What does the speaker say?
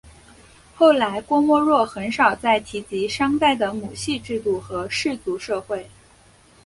后来郭沫若很少再提及商代的母系制度和氏族社会。